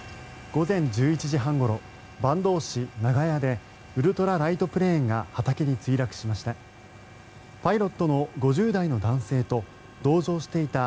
午前１１時半ごろ坂東市長谷でウルトラライトプレーンが畑に墜落しました。